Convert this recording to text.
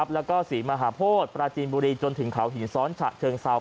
แล้วก็ศรีมหาโพธิปราจีนบุรีจนถึงเขาหินซ้อนฉะเชิงเซา